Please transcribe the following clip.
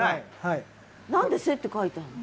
何で「せ」って書いてあるの？